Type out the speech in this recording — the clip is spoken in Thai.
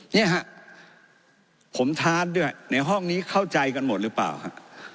เนี่ยฮะผมท้านด้วยในห้องนี้เข้าใจกันหมดหรือเปล่าฮะ